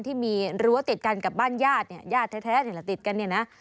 ที่มีรั้วติดกันกับบ้านญาติญาติแท้และติดกัน